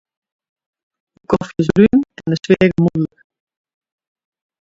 De kofje is brún en de sfear gemoedlik.